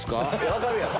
分かるやろ。